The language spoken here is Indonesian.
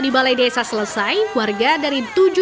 dengan diarap oleh warga lainnya